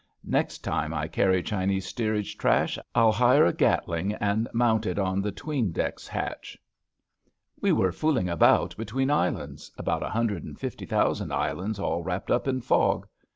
Next time I carry Chinese steerage trash I'll hire a Gatling and mount it on the 'tween decks hatch. We were fooling about between islands — about a hundred and fifty thousand islands all wrapped up in fog.